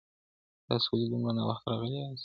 تاسو ولې دومره ناوخته راغلي یاست؟